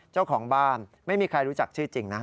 เจ้าของบ้านไม่มีใครรู้จักชื่อจริงนะ